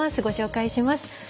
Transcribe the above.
ご紹介します。